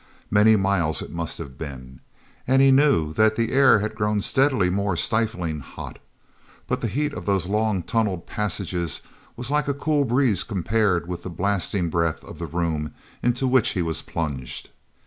Many miles, it must have been. And he knew that the air had grown steadily more stiflingly hot. But the heat of those long tunneled passages was like a cool breeze compared with the blasting breath of the room into which he was plunged.